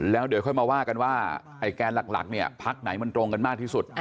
แล้วเดี๋ยวค่อยมาว่ากันว่าไอ้แกนหลักเนี่ยพักไหนมันตรงกันมากที่สุด